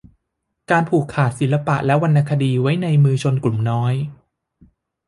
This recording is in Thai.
การผูกขาดศิลปะและวรรณคดีไว้ในมือชนกลุ่มน้อย